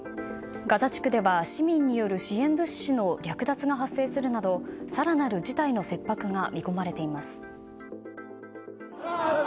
ガザ地区では市民による支援物資の略奪が発生するなど更なる事態の切迫が見込まれています。